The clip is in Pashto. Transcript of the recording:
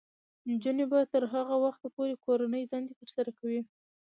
نجونې به تر هغه وخته پورې کورنۍ دندې ترسره کوي.